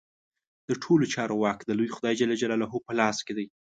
د ټولو چارو واک د لوی خدای جل جلاله په لاس کې دی.